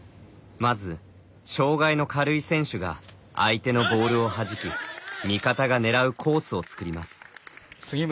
まず、障がいの軽い選手が相手のボールをはじき味方が狙うコースをつくります。